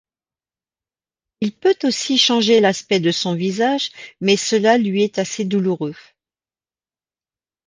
Il peut aussi changer l'aspect de son visage mais cela lui est assez douloureux.